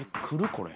これ。